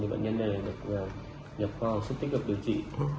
thì bệnh nhân này được nhập kho sức tích cực điều trị